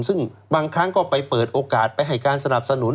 ซึ่งบางครั้งก็ไปเปิดโอกาสไปให้การสนับสนุน